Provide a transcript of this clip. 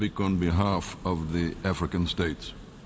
ขอบคุณครับ